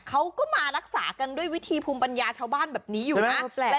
เขาก็มารักษากันด้วยวิธีภูมิปัญญาชาวบ้านแบบนี้อยู่นะ